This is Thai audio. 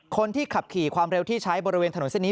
คนที่ขับขี่ความเร็วที่ใช้บริเวณถนนเส้นนี้